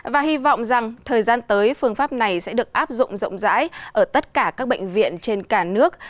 và hy vọng rằng thời gian tới phương pháp này sẽ được áp dụng rộng rãi ở tất cả các bệnh viện trên cả nước